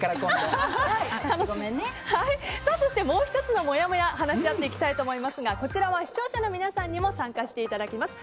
そしてもう１つのもやもや話し合っていきたいと思いますがこちらは視聴者の皆さんにも参加していただきます。